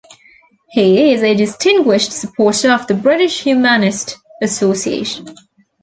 He is a distinguished supporter of the British Humanist Association.